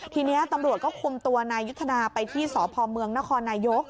ทีนี้ตำรวจก็คุมตัวนายยุทธนาไปที่สพเมืองนครนายก